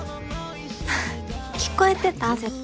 ははっ聞こえてた絶対。